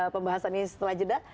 pembahasannya setelah jeda